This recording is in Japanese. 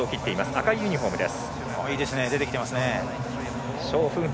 赤いユニフォームです。